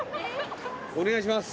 お願いします。